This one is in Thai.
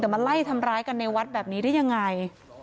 แต่มาไล่ทำร้ายกันในวัดแบบนี้ได้ยังไง